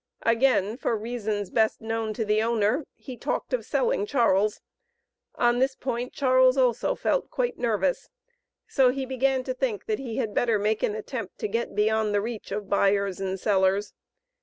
Again, for reasons best known to the owner, he talked of selling Charles. On this point Charles also felt quite nervous, so he began to think that he had better make an attempt to get beyond the reach of buyers and sellers.